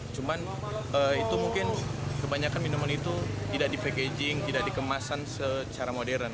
cuman itu mungkin kebanyakan minuman itu tidak di packaging tidak dikemasan secara modern